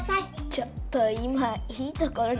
ちょっと今いいところで。